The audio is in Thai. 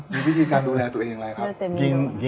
มีวิธีการดูแลตัวเองอย่างไรครับ